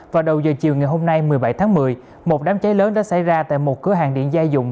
vào đầu giờ chiều ngày hôm nay một mươi bảy tháng một mươi một đám cháy lớn đã xảy ra tại một cửa hàng điện gia dụng